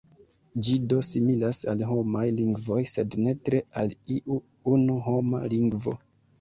Ĝi do similas al homaj lingvoj, sed ne tre al iu unu homa lingvo.